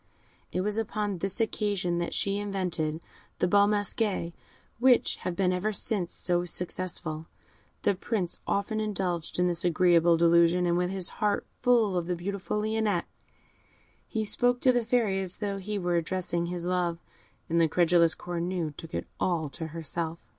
It was upon this occasion that she invented the Bal Masqués, which have been ever since so successful. The Prince often indulged in this agreeable delusion, and with his heart full of the beautiful Lionette, he spoke to the Fairy as though he were addressing his love, and the credulous Cornue took it all to herself.